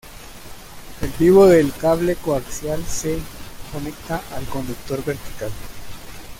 El vivo del cable coaxial se conecta al conductor vertical.